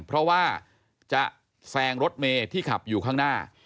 เพราะว่าจะแซงรถเมย์ที่ขับอยู่ข้างหน้า